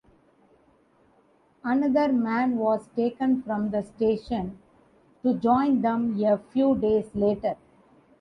Another man was taken from the station to join them a few days later.